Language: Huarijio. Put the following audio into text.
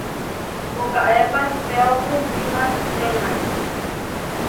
Puʼkaépa ehpéopu kimačiténa.